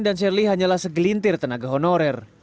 dan juga penerbitan dan penerbitan tenaga honorer